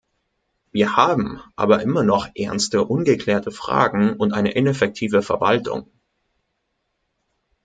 Wir haben aber immer noch ernste ungeklärte Fragen und eine ineffektive Verwaltung.